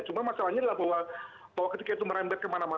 cuma masalahnya adalah bahwa ketika itu merembet kemana mana